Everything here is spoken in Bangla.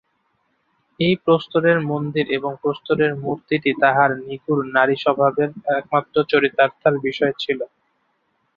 এই প্রস্তরের মন্দির এবং প্রস্তরের মূর্তিটি তাঁহার নিগূঢ় নারীস্বভাবের একমাত্র চরিতার্থতার বিষয় ছিল।